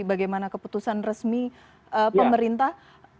bagaimana keputusan resmi pemerintah